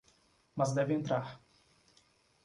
Mas deve entrar.